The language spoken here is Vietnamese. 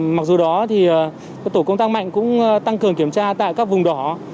mặc dù đó thì tổ công tác mạnh cũng tăng cường kiểm tra tại các vùng đỏ